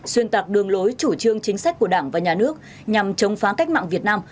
xuyên tạc đường lối chủ trương chính sách của đảng và nhà nước nhằm chống phá cách mạng việt nam